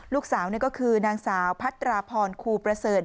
ลูกสาวนี่ก็คือนางสาวพัตราพรครูประเสริฐ